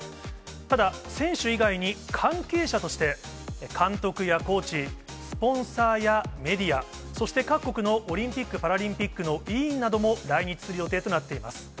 ただ、選手以外に関係者として監督やコーチ、スポンサーやメディア、そして各国のオリンピック・パラリンピックの委員なども来日する予定となっています。